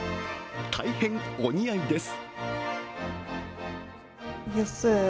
大変お似合いです。